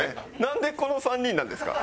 なんでこの３人なんですか？